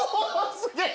すげえ！